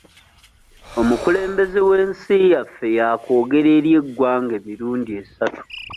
Omukulembeze w'ensi yaffe yaakoogera eri eggwanga emirundi esatu.